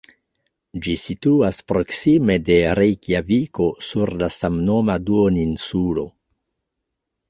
Ĝi situas proksime de Rejkjaviko sur la samnoma duoninsulo.